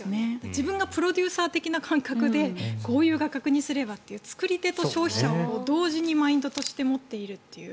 自分がプロデューサー的な感覚でこういう画角にすればと作り手と消費者を同時にマインドとして持っている。